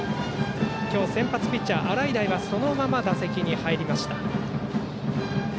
今日先発ピッチャー洗平はそのまま打席に入りました。